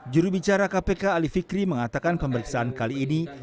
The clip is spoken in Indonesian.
jurubicara kpk ali fikri mengatakan pemeriksaan kali ini